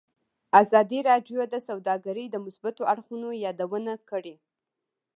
ازادي راډیو د سوداګري د مثبتو اړخونو یادونه کړې.